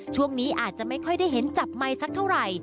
ช่วงนี้อาจจะไม่ค่อยได้เห็นจับไมค์สักเท่าไหร่